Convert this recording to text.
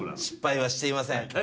失敗はしていません。